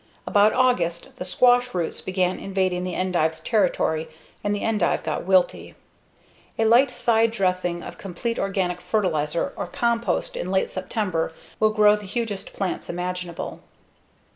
About August, the squash roots began invading the endive's territory and the endive got wilty. A light side dressing of complete organic fertilizer or compost in late September will grow the hugest plants imaginable.